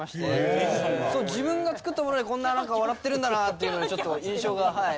自分が作ったものでこんな笑ってるんだなっていうのでちょっと印象がはい。